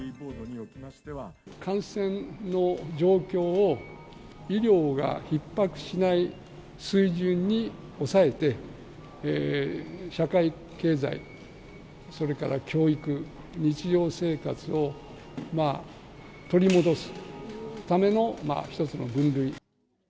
感染の状況を医療がひっ迫しない水準に抑えて、社会経済、それから教育、日常生活を取り戻すための一つの分類。